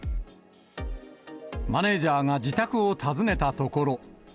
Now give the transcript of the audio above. マネージャーが自宅を訪ねたところ。